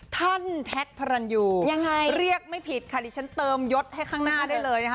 แท็กพระรันยูยังไงเรียกไม่ผิดค่ะดิฉันเติมยศให้ข้างหน้าได้เลยนะคะ